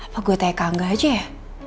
apa gue tanya kagak aja ya